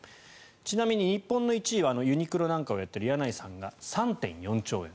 ちなみに日本の１位はユニクロなんかをやっている柳井さんが３．４兆円。